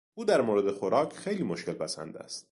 او در مورد خوراک خیلی مشکل پسند است.